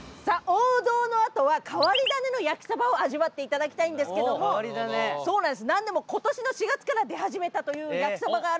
王道のあとは変わり種の焼きそばを味わっていただきたいんですけどもなんでも今年の４月から出始めたという焼きそばがあるんですよ。